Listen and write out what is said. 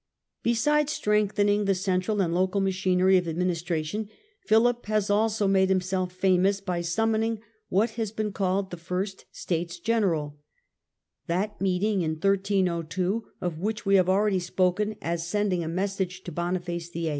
Besides strengthening the central and local machinery states of administration, Philip has also made himself famous fg^Qg™^' by summoning what has been called the first States General ; that meeting in 1302 of which we have already spoken as sending a message to Boniface VIII.